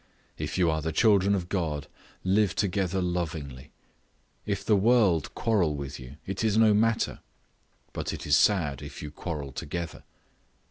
If you are the children of God, live together lovingly. If the world quarrel with you, it is no matter; but it is sad if you quarrel together.